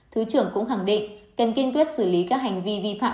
thứ trưởng cũng khẳng định cần kiên quyết xử lý các hành vi vi phạm